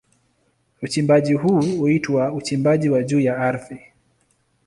Uchimbaji huu huitwa uchimbaji wa juu ya ardhi.